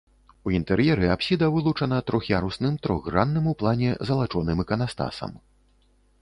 У інтэр'еры апсіда вылучана трох'ярусным трохгранным у плане залачоным іканастасам.